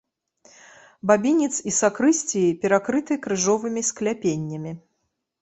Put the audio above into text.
Бабінец і сакрысціі перакрыты крыжовымі скляпеннямі.